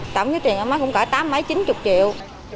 tổng giá tiền em cũng có tám mươi chín mươi triệu